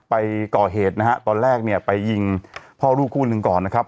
ไปก่อเหตุนะฮะตอนแรกเนี่ยไปยิงพ่อลูกคู่หนึ่งก่อนนะครับ